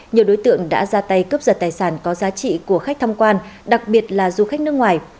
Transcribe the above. nhiều đối tượng đã ra tay cướp giật tài sản có giá trị của khách tham quan đặc biệt là du khách nước ngoài